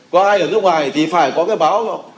có ai ở nước ngoài thì phải có cái báo thôi